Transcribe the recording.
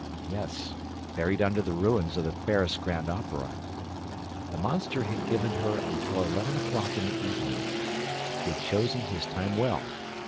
Yes, buried under the ruins of the Paris Grand Opera! The monster had given her until eleven o'clock in the evening. He had chosen his time well.